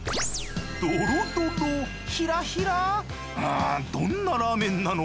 んどんなラーメンなの？